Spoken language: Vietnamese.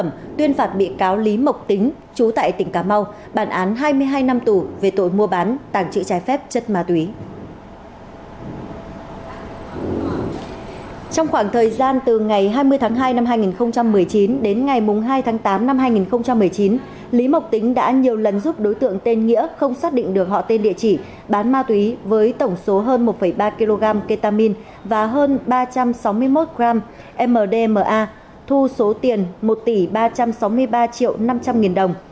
lý mộc tính đã nhiều lần giúp đối tượng tên nghĩa không xác định được họ tên địa chỉ bán ma túy với tổng số hơn một ba kg ketamin và hơn ba trăm sáu mươi một g mdma thu số tiền một tỷ ba trăm sáu mươi ba triệu năm trăm linh nghìn đồng